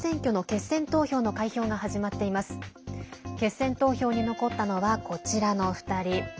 決選投票に残ったのはこちらの２人。